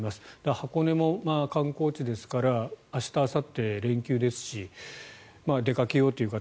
箱根も観光地ですから明日あさって連休ですし出かけようという方